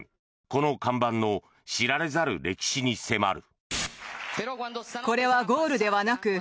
この看板の知られざる歴史に迫る。